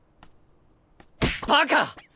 バカ！